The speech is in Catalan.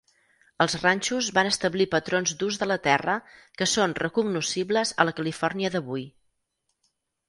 Els ranxos van establir patrons d'ús de la terra que són recognoscibles a la Califòrnia d'avui.